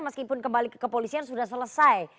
meskipun kembali ke kepolisian sudah selesai